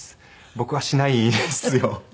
僕はしないんですよ。